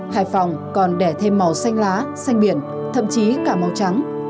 hải phòng còn đẻ thêm màu xanh lá xanh biển thậm chí cả màu trắng